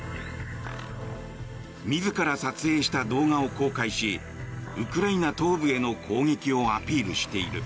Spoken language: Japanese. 自ら撮影した動画を公開しウクライナ東部への攻撃をアピールしている。